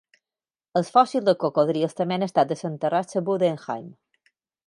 Els fòssils de cocodrils també han estat desenterrats a Budenheim.